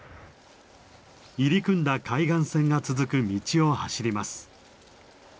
入り組んだ海岸線が続く道を走ります。